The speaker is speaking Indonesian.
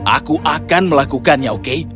aku akan melakukannya oke